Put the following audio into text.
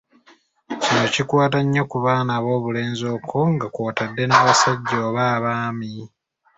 Kino kikwata nnyo ku baana ab’obulenzi okwo nga kw’otadde n’abasajja oba abaami.